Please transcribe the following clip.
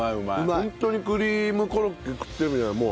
ホントにクリームコロッケ食ってるみたいもう。